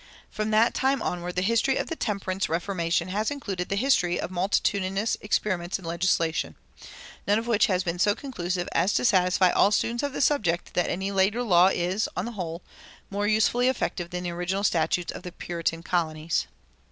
From that time onward the history of the temperance reformation has included the history of multitudinous experiments in legislation, none of which has been so conclusive as to satisfy all students of the subject that any later law is, on the whole, more usefully effective than the original statutes of the Puritan colonies.